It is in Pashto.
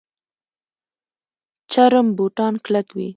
چرم بوټان کلک وي